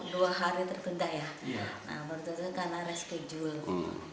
dua hari terkendah ya karena reskijul